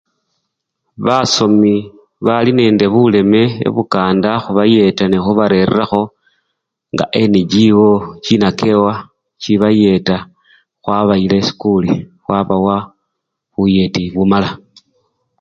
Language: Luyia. Basomi bali nende buleme ebukanda khubayeta nekhubarererakho nga NGO chinakewa chibayeta khwabayila esikuli khwabawa buyeti bumala.